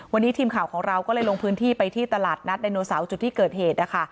วันนี้ทีมข่าวของเราก็เลยลงพื้นที่ไปที่ตลาดนัดไดโนเสาร์จุดที่เกิดเหตุนะคะ